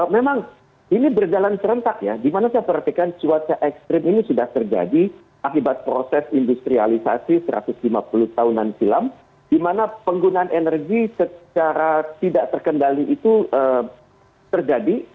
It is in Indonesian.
memang ini berjalan serentak ya di mana saya perhatikan cuaca ekstrim ini sudah terjadi akibat proses industrialisasi satu ratus lima puluh tahunan silam di mana penggunaan energi secara tidak terkendali itu terjadi